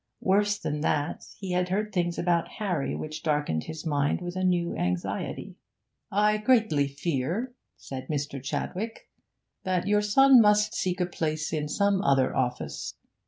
Worse than that, he had heard things about Harry which darkened his mind with a new anxiety. 'I greatly fear,' said Mr. Chadwick, 'that your son must seek a place in some other office.